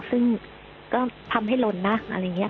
ซึ่งก็ทำให้หล่นนะอะไรอย่างนี้